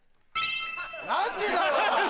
何でだよ！